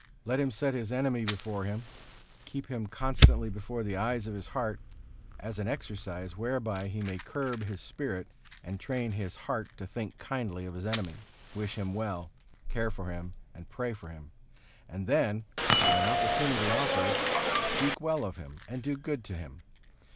Let him set his enemy before him, keep him constantly before the eyes of his heart, as an exercise whereby he may curb his spirit and train his heart to think kindly of his enemy, wish him well, care for him and pray for him; and then, when opportunity offers, speak well of him and do good to him.